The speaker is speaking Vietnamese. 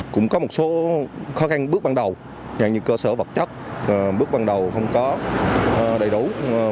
cũng có một số khó khăn bước ban đầu dạng như cơ sở vật chất bước ban đầu không có đầy đủ